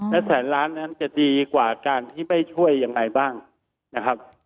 และแสนล้านนั้นจะดีกว่าการที่ไม่ช่วยยังไงบ้างนะครับ